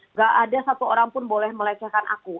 nggak ada satu orang pun boleh melecehkan aku